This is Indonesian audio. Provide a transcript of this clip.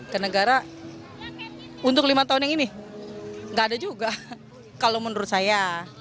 ke negara untuk lima tahun yang ini nggak ada juga kalau menurut saya